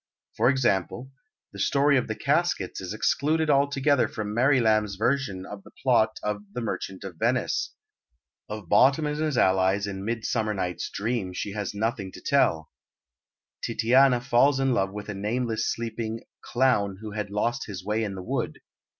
For example, the story of the caskets is excluded altogether from Mary Lamb's version of the plot of The Merchant of Venice. Of Bottom and his allies in Midsummer Night's Dream she has nothing to tell; Titania falls in love with a nameless sleeping "clown who had lost his way in the wood."